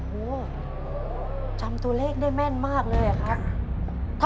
โหจำตัวเลขได้แม่นมากเลยอะครับ